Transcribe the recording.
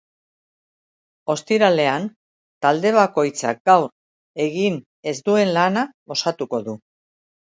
Ostiralean, talde bakoitzak gaur egin ez duen lana osatuko du.